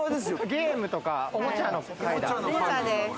ゲームとか、おもちゃの階だ。